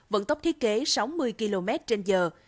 vận tốc thiết kế sáu mươi km trên giờ